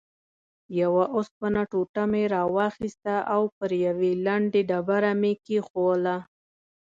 یوه اوسپنه ټوټه مې راواخیسته او پر یوې لندې ډبره مې کېښووله.